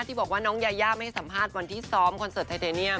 ที่บอกว่าน้องยายาไม่ให้สัมภาษณ์วันที่ซ้อมคอนเสิร์ตไทเตเนียม